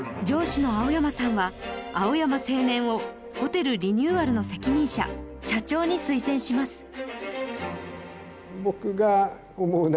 上司の青山さんは青山青年をホテルリニューアルの責任者社長に推薦します